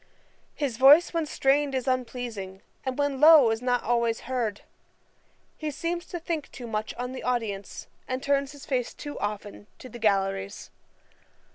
His voice when strained is unpleasing, and when low is not always heard. He seems to think too much on the audience, and turns his face too often to the galleries.